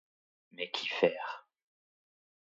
Mais qu'y faire?